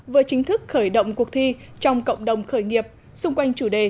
vừa chính thức khởi động cuộc thi trong cộng đồng khởi nghiệp xung quanh chủ đề